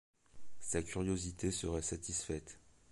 Sa curiosité serait satisfaite.